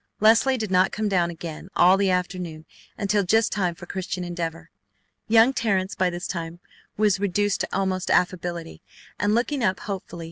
Leslie did not come down again all the afternoon until just time for Christian Endeavor. Young Terrence by this time was reduced to almost affability, and looked up hopefully.